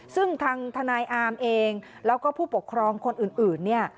ซึ่งทางทนายอาร์มเองแล้วก็ผู้ปกครองคนอื่นเนี่ย